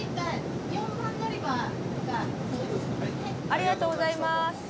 ありがとうございます。